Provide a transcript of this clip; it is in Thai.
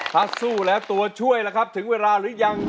ถ้าสู้แล้วตัวช่วยล่ะครับถึงเวลาหรือยัง